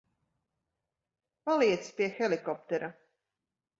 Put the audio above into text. Paliec pie helikoptera.